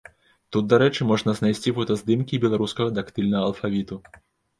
Тут, дарэчы, можна знайсці фотаздымкі і беларускага дактыльнага алфавіту.